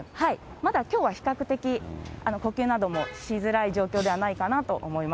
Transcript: まだきょうは比較的、呼吸などもしづらい状況ではないかなと思います。